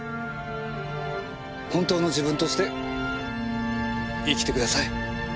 本当の自分として生きてください。